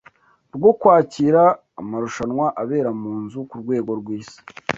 rwo kwakira amarushanwa abera mu nzu ku rwego rw’isi